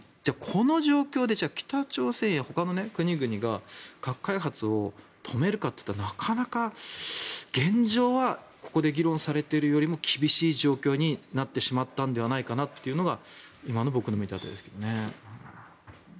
この状況で北朝鮮やほかの国々が核開発を止めるかといったらなかなか現状はここで議論されているよりも厳しい状況になってしまったのではないかなというのが今の僕の見立てですけどね。